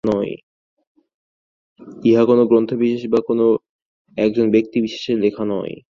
ইহা কোন গ্রন্থ-বিশেষ বা কোন একজন ব্যক্তিবিশেষের লেখা নয়।